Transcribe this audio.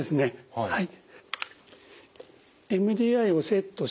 はい。